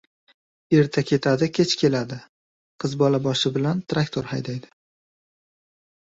Erta ketadi, kech keladi. Qiz bola boshi bilan traktor haydaydi.